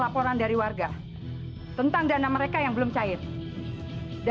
bapak kami tahan harta beserta